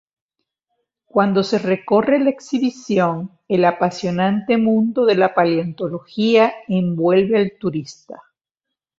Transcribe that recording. Cuando se recorre la exhibición, el apasionante mundo de la paleontología envuelve al turista.